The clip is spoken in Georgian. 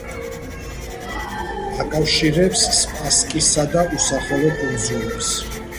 აკავშირებს სპასკისა და უსახელო კუნძულებს.